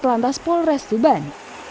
satu lantas polres tuban